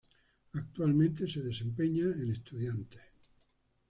Actualmente se desempeña en Estudiantes.